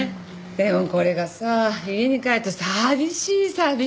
でもこれがさ家に帰ると寂しい寂しい。